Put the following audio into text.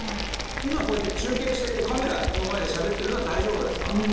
今こうやって中継してカメラの前でしゃべってるのは大丈夫ですか？